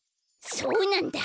そうなんだ！